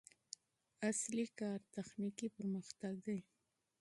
اصلي کار تخنیکي پرمختګ دی.